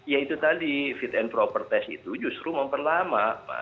ya itu tadi fit and proper test itu justru memperlama